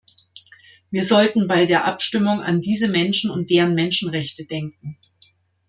Wir sollten bei der Abstimmung an diese Menschen und deren Menschenrechte denken.